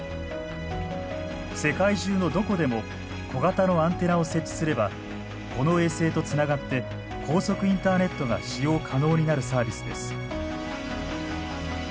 世界中のどこでも小型のアンテナを設置すればこの衛星とつながって高速インターネットが使用可能になるサービスです。